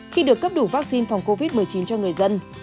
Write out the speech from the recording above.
khi được cấp đủ vaccine phòng covid một mươi chín cho người dân